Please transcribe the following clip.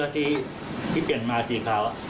ที่เปลี่ยนมาสีขาว